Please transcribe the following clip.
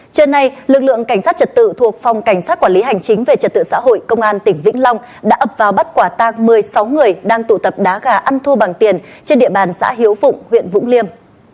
trưa nay lực lượng cảnh sát trật tự thuộc phòng cảnh sát quản lý hành chính về trật tự xã hội công an tỉnh vĩnh long đã ập vào bắt quả tang một mươi sáu người đang tụ tập đá gà ăn thu bằng tiền trên địa bàn xã hiếu phụng huyện vũng liêm